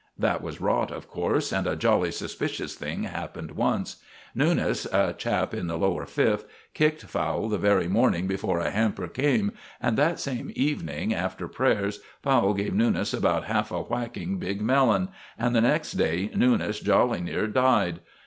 That was rot, of course, and a jolly suspicious thing happened once. Newnes a chap in the lower Fifth kicked Fowle the very morning before a hamper came; and that same evening, after prayers, Fowle gave Newnes about half a whacking big melon, and the next day Newnes jolly near died.